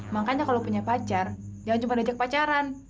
makanya kalau punya pacar jangan cuma diajak pacaran